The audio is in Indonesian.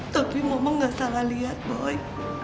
tapi mama gak salah liat boy